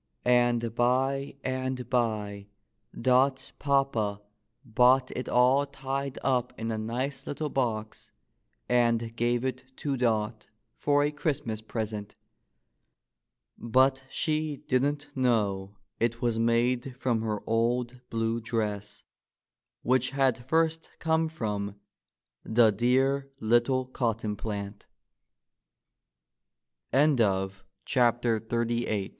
— and by and by Dot's papa bought it all tied up in a nice little box, and gave it to Dot for a Christmas present. But she didn't know it was made from her old blue dress, which had first come from the dear little cott